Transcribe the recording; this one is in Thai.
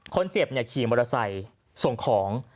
คนเจ็บขี่มอเตอร์ไซค์ส่งของ